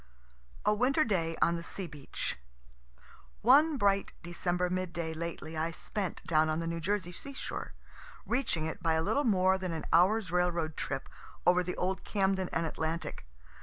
A WINTER DAY ON THE SEA BEACH One bright December mid day lately I spent down on the New Jersey sea shore, reaching it by a little more than an hour's railroad trip over the old Camden and Atlantic.